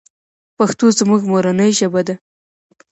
پښتو زموږ مورنۍ ژبه ده.